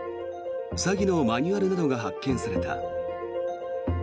詐欺のマニュアルなどが発見された。